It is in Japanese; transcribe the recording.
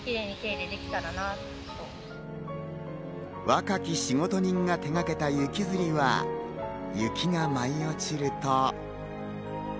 若き仕事人が手がけた雪吊りは雪が舞い落ちると。